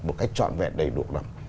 một cách trọn vẹn đầy đủ lắm